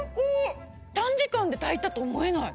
短時間で炊いたと思えない。